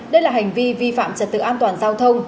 đây là hành vi vi phạm trật tự an toàn giao thông